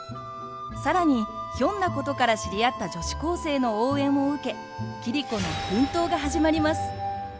更にひょんなことから知り合った女子高生の応援を受け桐子の奮闘が始まります。